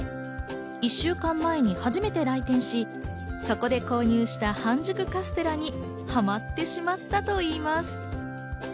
１週間前に初めて来店し、そこで購入した半熟カステラにハマってしまったといいます。